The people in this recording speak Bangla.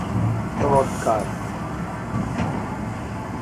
আধুনিক ও ইসলামী বইয়ের এক অনন্য সংগ্রহশালা রয়েছে মসজিদ লাইব্রেরীতে।